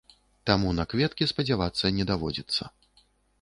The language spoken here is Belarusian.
Таму на кветкі спадзявацца не даводзіцца.